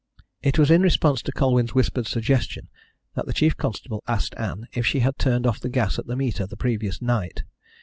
It was in response to Colwyn's whispered suggestion that the chief constable asked Ann if she had turned off the gas at the meter the previous night.